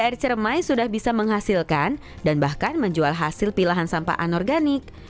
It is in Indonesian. tps tiga r cermai sudah bisa menghasilkan dan bahkan menjual hasil pilahan sampah anorganik